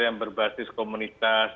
yang berbasis komunitas